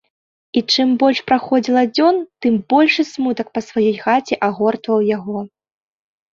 І чым больш праходзіла дзён, тым большы смутак па сваёй хаце агортваў яго.